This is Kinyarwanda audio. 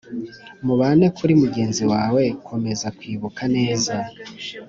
mubane kuri mugenzi wawe, komeza kwibuka neza.